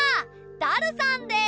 ダルさんです！